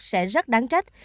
sẽ rất đáng trách